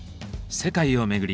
世界を巡り